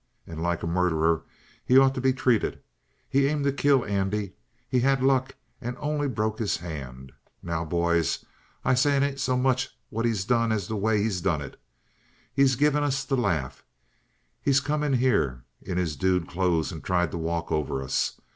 "And like a murderer he ought to be treated. He aimed to kill Andy; he had luck and only broke his hand. Now, boys, I say it ain't so much what he's done as the way he's done it. He's given us the laugh. He's come in here in his dude clothes and tried to walk over us.